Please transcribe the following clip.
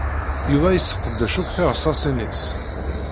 Yuba yesseqdec akk tirṣaṣin-is.